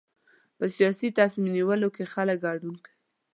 په سیاسي تصمیم نیولو کې خلک ګډون کوي.